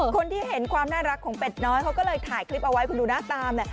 คนที่เห็นความน่ารักของเป็ดน้อยเขาก็เลยถ่ายคลิปเอาไว้คุณดูหน้าตาม